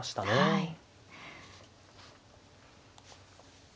はい。